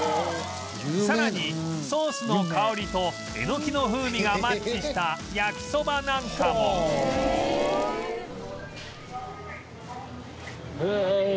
さらにソースの香りとえのきの風味がマッチした焼きそばなんかもへえ！